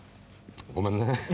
ごめんね。